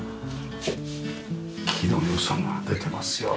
木の良さが出てますよね。